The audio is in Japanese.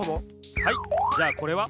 はいじゃあこれは？